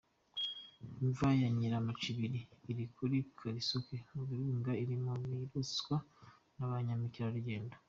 Imva ya Nyiramacibiri iri kuri Kalisoke mu birunga, iri mu bisurwa na ba mukerarugendo.